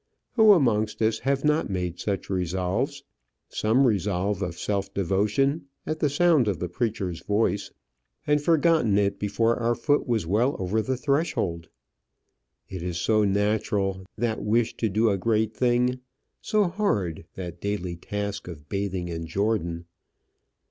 Who amongst us have not made such resolves some resolve of self devotion, at the sound of the preacher's voice and forgotten it before our foot was well over the threshold? It is so natural, that wish to do a great thing; so hard, that daily task of bathing in Jordan.